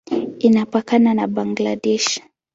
Inapakana na Bangladesh.